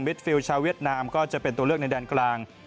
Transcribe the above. ฟิลชาวเวียดนามก็จะเป็นตัวเลือกในแดนกลาง